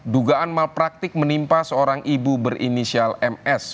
dugaan malpraktik menimpa seorang ibu berinisial ms